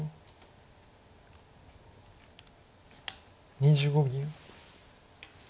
２５秒。